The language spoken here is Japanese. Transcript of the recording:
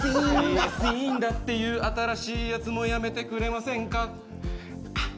しーんだっていう新しいやつもやめてくれませんか。